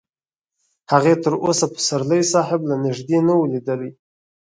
هغې تر اوسه پسرلي صاحب له نږدې نه و لیدلی